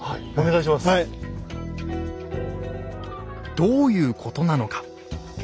どういうことなのか。